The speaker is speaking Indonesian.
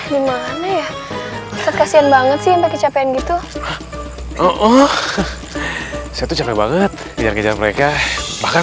gimana ya kasihan banget sih sampai kecapean gitu oh saya tuh capek banget biar kejar mereka bahkan